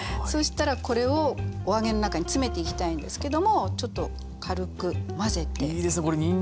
そしたらこれをお揚げの中に詰めていきたいんですけどもちょっと軽く混ぜて。